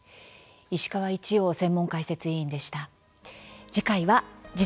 石川一洋専門解説委員でした。